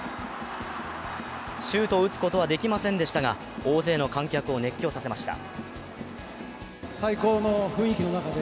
シュートを打つことはできませんでしたが、大勢の観客を熱狂させました。